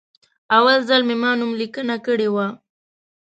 اول ځل چې ما نوملیکنه کړې وه.